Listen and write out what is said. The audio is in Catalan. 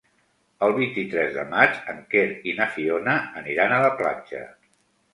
El vint-i-tres de maig en Quer i na Fiona aniran a la platja.